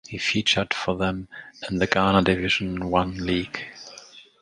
He featured for them in the Ghana Division One League.